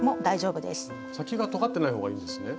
先がとがってないほうがいいんですね？